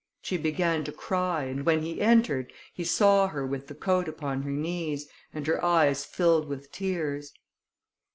She began to cry, and when he entered, he saw her with the coat upon her knees, and her eyes filled with tears.